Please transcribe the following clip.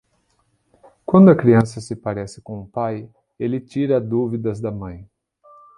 Quando a criança se parece com o pai, ele tira dúvidas da mãe.